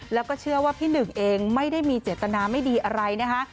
แล้วก็เชื่อว่าพี่หนึ่งเองไม่ได้มีเจตนาไม่ดีอะไรนะคะ